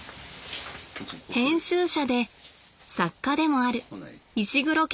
編集者で作家でもある石黒謙吾さん。